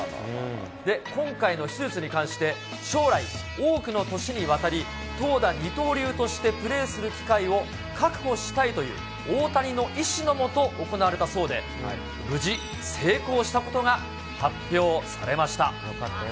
で、今回の手術に関して、将来、多くの年にわたり、投打二刀流としてプレーする機会を確保したいという大谷の意思のもと行われたそうで、無事成功したことが発表されました。